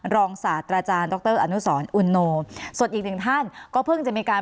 รองศาสตราจารย์ดรอนุสรอุโนส่วนอีกหนึ่งท่านก็เพิ่งจะมีการ